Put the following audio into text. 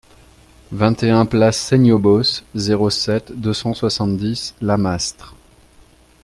vingt et un place Seignobos, zéro sept, deux cent soixante-dix, Lamastre